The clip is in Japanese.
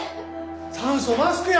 酸素マスクや！